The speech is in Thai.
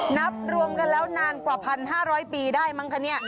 นับรวมกันแล้วนานกว่าพันห้าร้อยปีได้มั้งคะเนี่ย